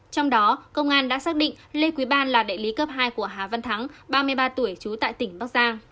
trong đó công an đã xác định lê quý ban là đại lý cấp hai của hà văn thắng ba mươi ba tuổi trú tại tỉnh bắc giang